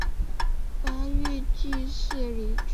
八月予致仕离去。